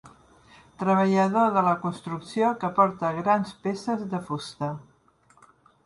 Treballador de la construcció que porta grans peces de fusta